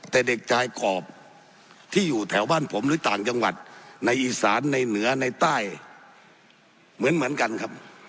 แต่เด็กชายกรอบที่อยู่แถวบ้านผมหรือต่างจังหวัดในอีสานในเหนือในใต้เหมือนกันครับ